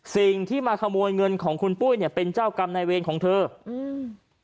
สิ่งที่มาขโมยเงินของคุณปุ้ยเนี้ยเป็นเจ้ากรรมนายเวรของเธออืม